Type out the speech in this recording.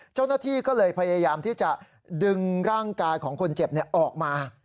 เจ้าหน้าที่ก็เลยพยายามที่จะดึงร่างกายของคนเจ็บออกมา